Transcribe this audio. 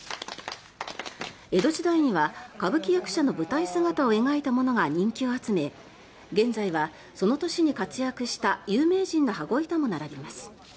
江戸時代には歌舞伎役者の舞台姿を描いたものが人気を集め現在はその年に活躍した有名人の羽子板も並びます。